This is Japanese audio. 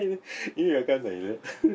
意味わかんないよね。